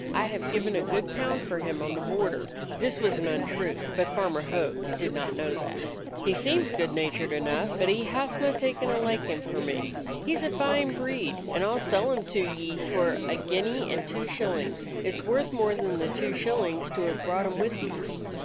I have given a good pound for him on the border." (This was an untruth, but Farmer Hogg did not know that.) "He seemed good natured enough, but he hasna taken a liking for me. He 's a fine breed, and I 'll sell him to ye for a guinea 58 A DOG OF THE ETTRICK HILLS and two shillings. It 's worth more than the two shillings to have brought him with me."